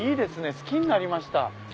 好きになりました。